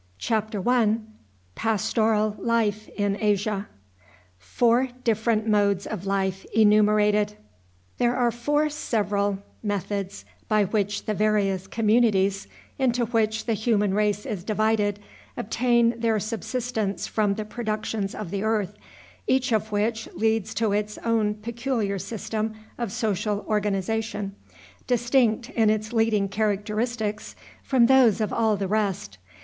Rise of patriarchal governments. Origin of the towns. Great chieftains. Genghis Khan. There are four several methods by which the various communities into which the human race is divided obtain their subsistence from the productions of the earth, each of which leads to its own peculiar system of social organization, distinct in its leading characteristics from those of all the rest.